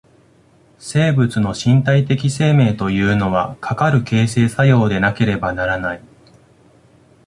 生物の身体的生命というのは、かかる形成作用でなければならない。